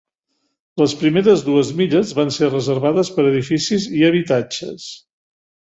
Les primeres dues milles van ser reservades per a edificis i habitatges.